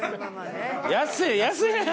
安い。